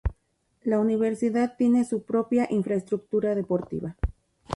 La universidad tiene su propia infraestructura deportiva.